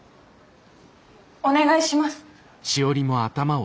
お願いします。